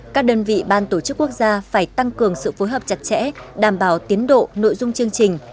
các đơn vị ban tổ chức quốc gia phải tăng cường sự phối hợp chặt chẽ đảm bảo tiến độ nội dung chương trình